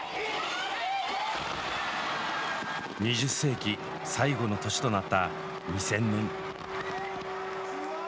２０世紀最後の年となった２０００年。